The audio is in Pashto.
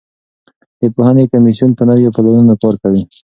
د پوهنې کمیسیون په نویو پلانونو کار کوي.